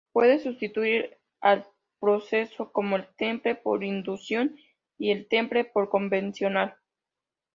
Puede sustituir al procesos como el Temple por inducción y el Temple convencional.